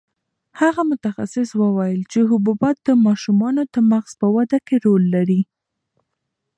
هغه متخصص وویل چې حبوبات د ماشومانو د مغز په وده کې رول لري.